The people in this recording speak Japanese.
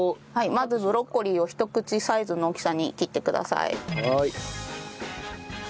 まずブロッコリーをひと口サイズの大きさに切ってください。